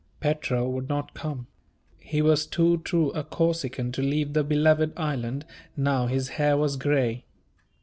Petro would not come; he was too true a Corsican to leave the beloved island now his hair was grey.